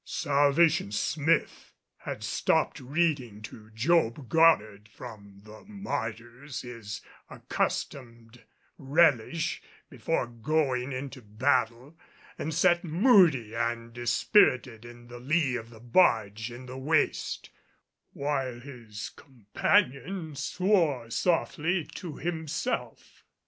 Salvation Smith had stopped reading to Job Goddard from the "Martyrs," his accustomed relish before going into battle and sat moody and dispirited in the lee of the barge in the waist, while his companion swore softly to himself.